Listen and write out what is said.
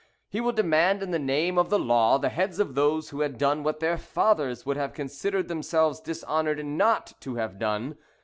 He will demand, in the name of the law, the heads of those who had done what their fathers would have considered themselves dishonoured not to have done.